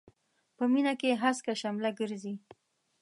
په مينې کې هسکه شمله ګرځي.